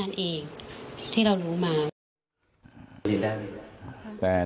ฝ่ายกรเหตุ๗๖ฝ่ายมรณภาพกันแล้ว